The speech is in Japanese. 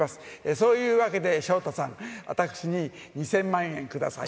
そういうわけで、昇太さん、私に２０００万円下さい。